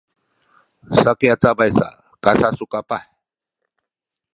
sakay cabay sa kasasukapah